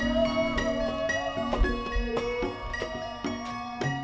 udah bisa peninsula melepas ke rumah kamu